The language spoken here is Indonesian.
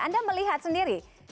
anda melihat sendiri